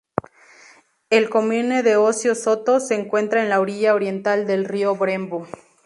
El "comune" de Osio Sotto se encuentra en la orilla oriental del rio Brembo.